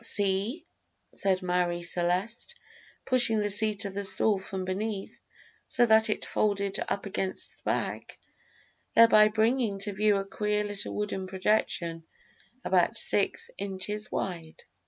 "See," said Marie Celeste, pushing the seat of the stall from beneath, so that it folded up against the back, thereby bringing to view a queer little wooden projection about six inches wide.